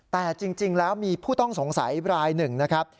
แต่จริงแล้วมีผู้ต้องสงสัยรายหนึ่งนะครับ